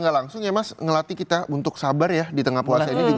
gak langsung ya mas ngelatih kita untuk sabar ya di tengah puasa ini juga